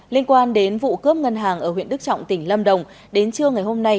liên quan đến vụ cướp ngân hàng ở huyện đức trọng tỉnh lâm đồng đến trưa ngày hôm nay